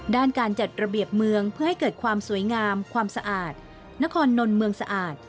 ด้านการจัดระเบียบเมืองเพื่อให้เกิดความสวยงามความสะอาดนครนนท์เมืองสะอาด